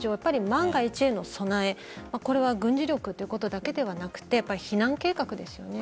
万が一への備え軍事力ということだけではなくて避難計画ですよね。